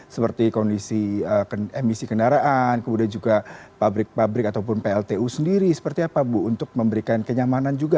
seperti kondisi emisi kendaraan kemudian juga pabrik pabrik ataupun pltu sendiri seperti apa bu untuk memberikan kenyamanan juga